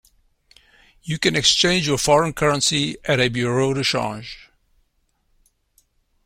You can exchange your foreign currency at a bureau de change